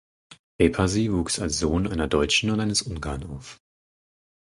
Repasi wuchs als Sohn einer Deutschen und eines Ungarn auf.